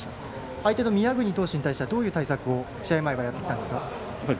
相手の宮國投手に対してはどういう対策を試合前からやってきたんですか。